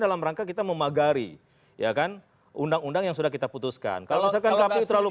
dalam rangka kita memagari ya kan undang undang yang sudah kita putuskan kalau misalkan kpu terlalu